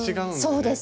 そうですね。